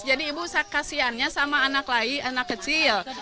jadi ibu kasiannya sama anak kecil